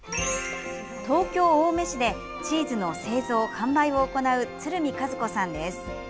東京・青梅市でチーズの製造・販売を行う鶴見和子さんです。